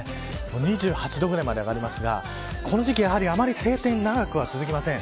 ２８度ぐらいまで上がりますがこの時期、あまり晴天長くは続きません。